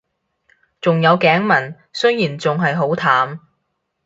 仲有頸紋，雖然仲係好淡